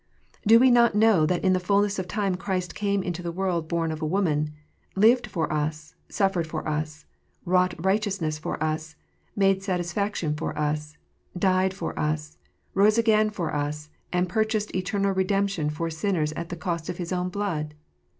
Do we not know that in the fulness of time Christ came into the world born of a woman, lived for us, suffered for us, wrought righteousness for us, made satisfaction for us, died for us, rose again for us, and purchased eternal redemption for sinners at the cost of His own blood